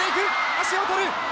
足を取る。